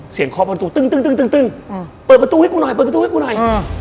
เสียงคอประตูตึ้งเปิดประตูให้กูหน่อยเปิดประตูให้กูหน่อย